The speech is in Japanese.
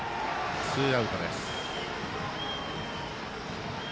ツーアウトです。